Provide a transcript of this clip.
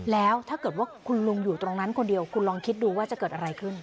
แล้วถ้าเกิดว่าคุณลุงอยู่ตรงนั้นคนเดียวคุณลองคิดดูว่าจะเกิดอะไรขึ้น